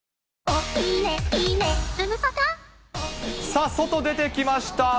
さあ、外出てきました。